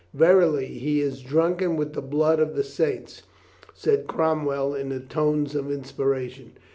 "Verily he Is drunken with the blood of the saints!" said Cromwell in the tones of inspiration.